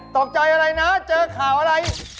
ตกใจอะไรนะเจอข่าวอะไร